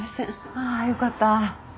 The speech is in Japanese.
ああよかった。